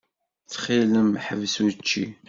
Ttxil-m, ḥbes učči.